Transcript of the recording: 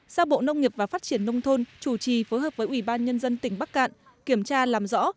giao bộ nông nghiệp và phát triển nông thôn chủ trì phối hợp với ubnd tỉnh bắc cạn kiểm tra làm rõ